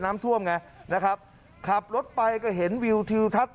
น้ำท่วมไงนะครับขับรถไปก็เห็นวิวทิวทัศน